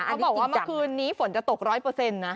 บอกว่าเมื่อคืนนี้ฝนจะตก๑๐๐นะ